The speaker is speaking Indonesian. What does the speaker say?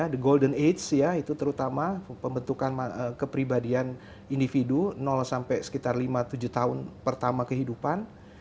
the golden aids ya itu terutama pembentukan kepribadian individu sampai sekitar lima tujuh tahun pertama kehidupan